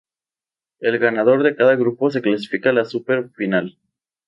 El ganador de cada grupo se clasifica a la Super Final.